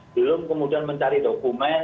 belum kemudian mencari dokumen